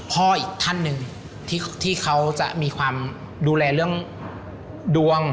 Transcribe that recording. อีกท่านหนึ่งที่เขาจะมีความดูแลเรื่องดวง